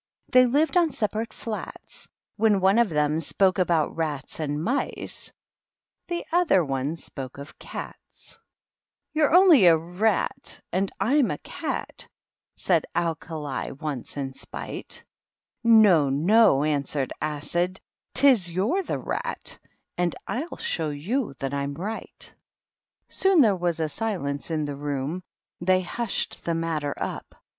The Acid bottles and Alkalies, When one of them spoke ahovi rats and mice, The other oTie spoke of cats ' You're only a rat and I'm a cat,' Said Alkah once m spite 'No, 710,' answered Add, "lis you're the rat; And I'll show you that I'm right' 226 THE MOCK TURTLE. Soon, there was a silence in the room; They hvshed the Toatter up.